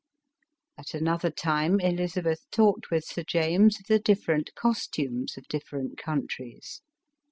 At anothei time Elizabeth talked with Sir James of the different cos tames of different countries.